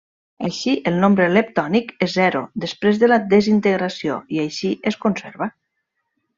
Així el nombre leptònic és zero després de la desintegració, i així es conserva.